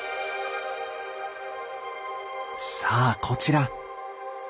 さあこちら！